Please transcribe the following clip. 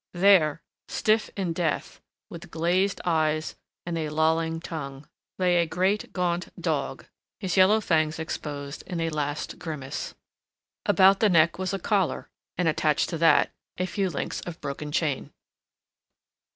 There stiff in death with glazed eyes and lolling tongue lay a great gaunt dog, his yellow fangs exposed in a last grimace. About the neck was a collar and attached to that, a few links of broken chain.